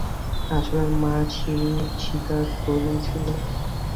আসলে, মা সিল শিকার করছিল।